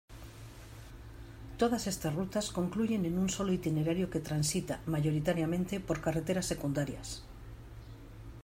Todas estas rutas concluyen en un solo itinerario que transita, mayoritariamente, por carreteras secundarias.